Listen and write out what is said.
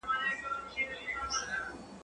زه به سبا ته فکر کوم؟